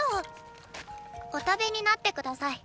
お食べになって下さい。